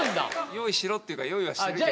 用意しろっていうから用意はしてるけど。